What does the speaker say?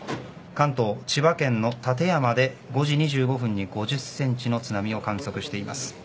関東千葉県の館山で５時２５分に５０センチの津波を観測しています。